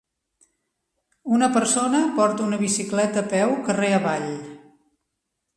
Una persona porta una bicicleta a peu carrer avall.